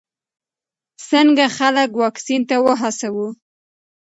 څنګه خلک واکسین ته وهڅوو؟